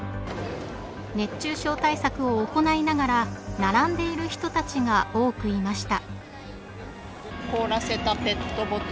熱中症対策を行いながら並んでいる人たちが多くいました。